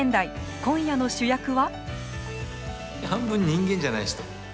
今夜の主役は。